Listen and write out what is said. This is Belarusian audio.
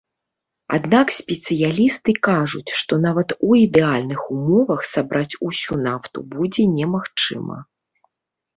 Аднак спецыялісты кажуць, што нават у ідэальных умовах сабраць усю нафту будзе немагчыма.